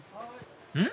うん？